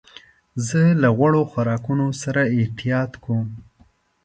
زه له غوړو خوراکونو سره احتياط کوم.